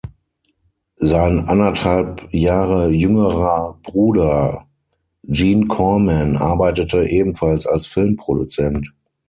Sein anderthalb Jahre jüngerer Bruder Gene Corman arbeitete ebenfalls als Filmproduzent.